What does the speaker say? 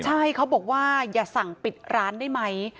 ใช่เขาบอกว่าอย่าสั่งปิดร้านได้ไหม